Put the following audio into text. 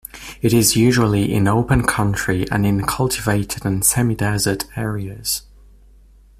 It is usually in open country and in cultivated and semi-desert areas.